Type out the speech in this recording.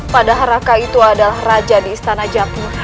padahal raka itu adalah raja di istana jaku